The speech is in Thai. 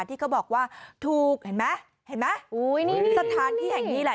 ที่เขาบอกว่าถูกเห็นไหมสถานที่แห่งนี้แหละ